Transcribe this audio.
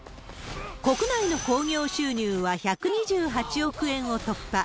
国内の興行収入は１２８億円を突破。